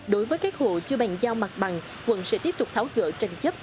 đối với các hộ chưa bàn giao mặt bằng quận sẽ tiếp tục tháo cỡ trần chấp